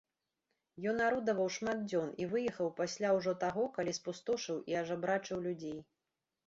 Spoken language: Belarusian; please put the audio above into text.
Ён арудаваў шмат дзён і выехаў пасля ўжо таго, калі спустошыў і ажабрачыў людзей.